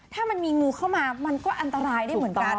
ถ้ามันมีงูเข้ามามันก็อันตรายได้เหมือนกัน